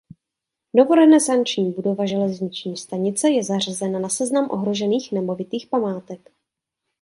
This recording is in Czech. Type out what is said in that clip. Novorenesanční budova železniční stanice je zařazena na seznamu ohrožených nemovitých památek.